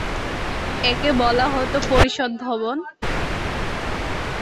একে বলা হতো ‘পরিষদ ভবন’।